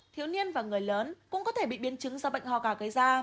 thiếu niên và người lớn cũng có thể bị biến chứng do bệnh ho gà gây ra